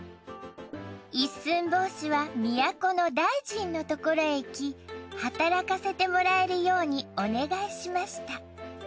一寸法師は都の大臣のところへ行き働かせてもらえるようにお願いしました